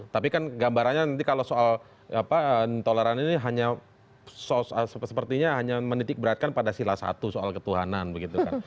tapi kan gambarannya nanti kalau soal intoleran ini hanya sepertinya hanya menitik beratkan pada sila satu soal ketuhanan begitu kan